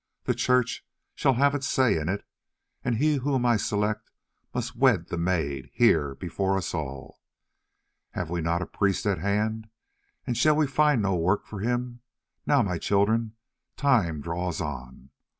The Church shall have its say in it, and he whom I select must wed the maid, here, before us all. Have we not a priest at hand, and shall we find no work for him? Now, my children, time draws on.